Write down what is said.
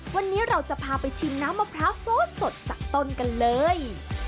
วันนี้เราจะพาไปชิมน้ำมะพร้าวสดจากต้นกันเลย